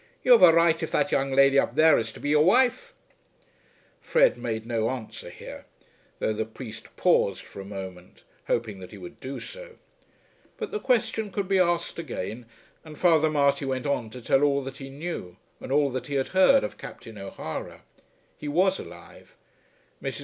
You have a right if that young lady up there is to be your wife." Fred made no answer here, though the priest paused for a moment, hoping that he would do so. But the question could be asked again, and Father Marty went on to tell all that he knew, and all that he had heard of Captain O'Hara. He was alive. Mrs.